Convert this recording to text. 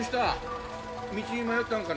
道に迷ったんかね？